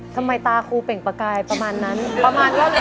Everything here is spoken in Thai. ทำไมตาครูเปล่งประกายประมาณนั้น